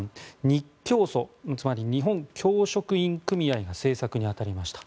日教組、つまり日本教職員組合が製作に当たりました。